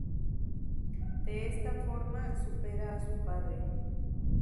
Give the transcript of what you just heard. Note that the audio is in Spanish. De esta forma, supera a su padre.